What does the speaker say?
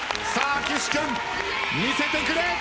岸君見せてくれ。